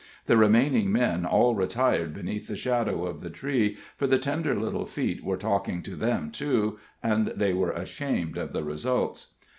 The remaining men all retired beneath the shadow of the tree, for the tender little feet were talking to them, too, and they were ashamed of the results.